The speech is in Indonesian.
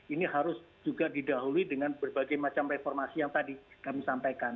ini harus juga didahului dengan berbagai macam reformasi yang tadi kami sampaikan